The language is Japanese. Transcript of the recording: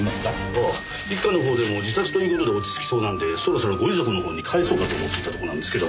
ああ一課の方でも自殺という事で落ち着きそうなんでそろそろご遺族の方に返そうかと思っていたところなんですけど。